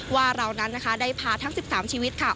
ว่าเรานั้นนะคะได้พาทั้ง๑๓ชีวิตค่ะ